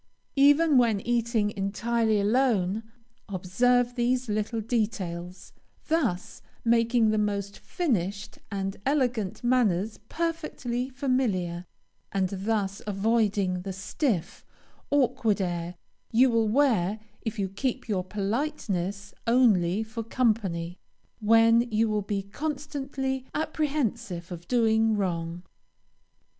Even when eating entirely alone, observe these little details, thus making the most finished and elegant manners perfectly familiar, and thus avoiding the stiff, awkward air you will wear if you keep your politeness only for company, when you will be constantly apprehensive of doing wrong.